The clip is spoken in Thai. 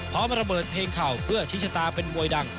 พร้อมระเบิดเพลงเข่าเพื่อชี้ชะตาเป็นมวยดัง